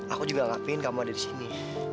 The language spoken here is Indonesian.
aku juga gak pengen kamu ada disini